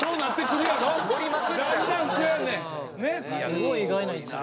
すごい意外な一面。